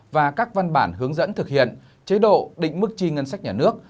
và các văn bản hướng dẫn thực hiện chế độ định mức chi ngân sách nhà nước